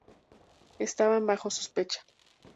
Estaban bajo sospecha.